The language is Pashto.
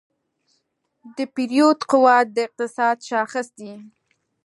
د پیرود قوت د اقتصاد شاخص دی.